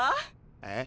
えっ？